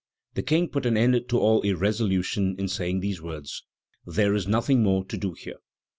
The King put an end to all irresolution in saying these words: 'There is nothing more to do here.'"